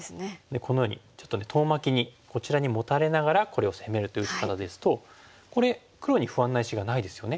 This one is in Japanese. このようにちょっと遠巻きにこちらにモタれながらこれを攻めるという打ち方ですとこれ黒に不安な石がないですよね。